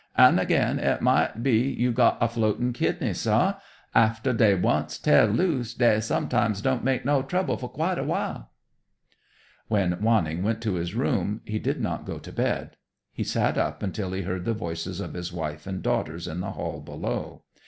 "An' again, it might be you got a floatin' kidney, sah. Aftah dey once teah loose, dey sometimes don't make no trouble for quite a while." When Wanning went to his room he did not go to bed. He sat up until he heard the voices of his wife and daughters in the hall below.